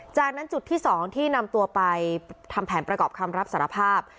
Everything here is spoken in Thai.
จากนั้นจุดที่๒ที่นำตัวไปทำแผนประกอบคำรับสารภาพ